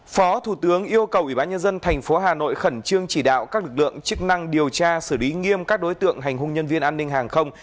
phó thủ tướng yêu cầu ủy ban nhân dân tp hà nội khẩn trương chỉ đạo các lực lượng chức năng điều tra xử lý nghiêm các đối tượng hành hung nhân viên an ninh hàng không